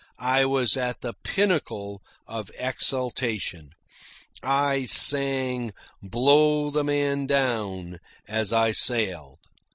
I was at the pinnacle of exaltation. I sang "Blow the Man Down" as I sailed.